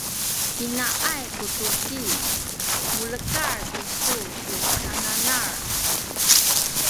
pinaay ku tuki mulekal kisu tu sananal?